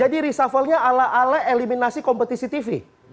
jadi risafalnya ala ala eliminasi kompetisi tv